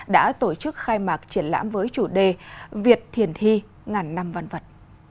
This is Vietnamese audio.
đã tổ chức khai mạc triển lãm với chủ đề việt thiền thi ngàn năm văn vật